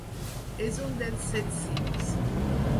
És un dels Set Cims.